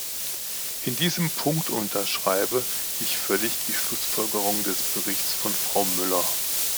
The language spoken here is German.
In diesem Punkt unterschreibe ich völlig die Schlussfolgerungen des Berichts von Frau Müller.